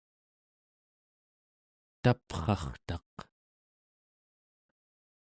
taprartaq